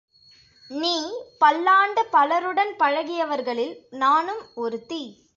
நீ, பல்லாண்டு பலருடன் பழகியவர்களில் நானும் ஒருத்தி.